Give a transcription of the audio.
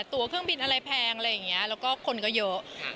ตัวเครื่องบินอะไรแพงอะไรอย่างนี้แล้วก็คนก็เยอะ